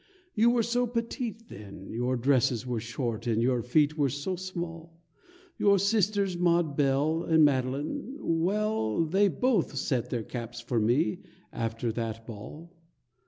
You were so petite then, Your dresses were short, and your feet were so small. Your sisters, Maud Belle And Madeline well, They both set their caps for me, after that ball.